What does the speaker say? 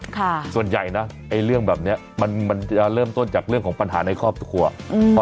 ส่วนใหญ่นะไอ้เรื่องแบบเนี้ยมันมันจะเริ่มต้นจากเรื่องของปัญหาในครอบครัวอืม